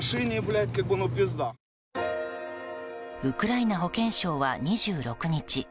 ウクライナ保健相は２６日